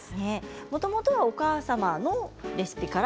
もともとはお母様のレシピから。